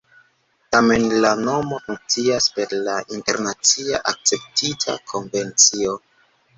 Tamen la nomo funkcias per la internacie akceptita konvencio.